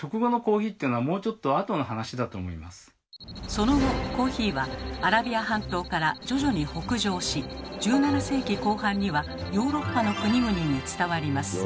その後コーヒーはアラビア半島から徐々に北上し１７世紀後半にはヨーロッパの国々に伝わります。